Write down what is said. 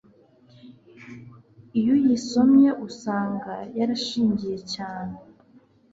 Iyo uyisomye usanga yarashingiye cyane